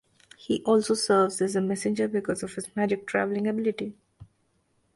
He also serves as a messenger because of his magic travelling ability.